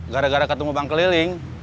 gara gara ketemu bang keliling